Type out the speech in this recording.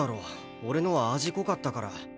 俺のは味濃かったから。